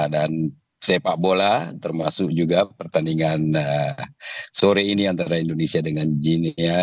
dan sepak bola termasuk juga pertandingan sore ini antara indonesia dengan gini ya